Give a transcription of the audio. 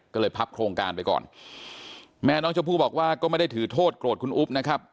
ก็เลยพับโครงการไปก่อนแม่น้องชมพู่บอกว่าก็ไม่ได้ถือโทษโกรธคุณอุ๊บนะครับ